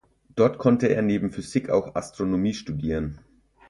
Dort konnte er neben Physik auch Astronomie studieren.